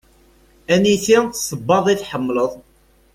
Aniti sebbaḍ i tḥemmleḍ?